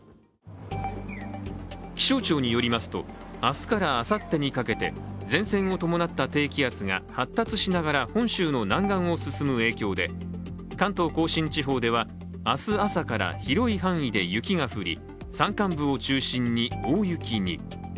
気象庁によりすまと、明日からあさってにかけて前線を伴った低気圧が発達しながら本州の南岸を進む影響で関東甲信地方では、明日朝から広い範囲で雪が降り山間部を中心に大雪に。